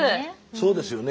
そうですよね。